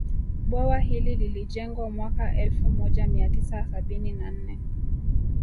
Bwawa hili lilijengwa mwaka elfu moja mia tisa sabini na nne